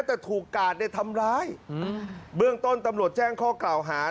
แต่ถูกกาดในธรรมร้ายอืมเรื่องต้นตำโหลดแจ้งข้อกล่าวหานะครับ